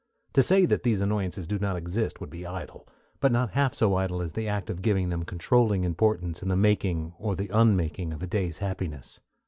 To say that these annoyances do not exist would be idle; but not half so idle as the act of giving them controlling importance in the making or the unmaking of a day's happiness.